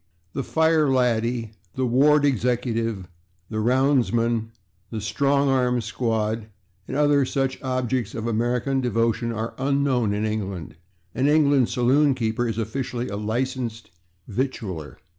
The /fire laddie/, the /ward executive/, the /roundsman/, the /strong arm squad/ and other such objects of American devotion are unknown in England. An English saloon keeper is officially a licensed /victualler